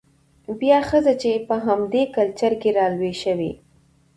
بيا ښځه چې په همدې کلچر کې رالوى شوې،